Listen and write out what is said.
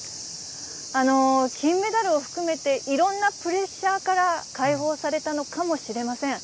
金メダルを含めて、いろんなプレッシャーから解放されたのかもしれません。